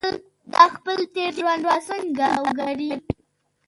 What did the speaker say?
دا خپل تېر ژوند به څنګه وګڼي.